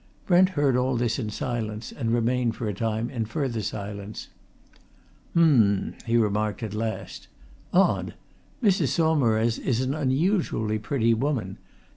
Brent heard all this in silence, and remained for a time in further silence. "Um!" he remarked at last. "Odd! Mrs. Saumarez is an unusually pretty woman. Dr.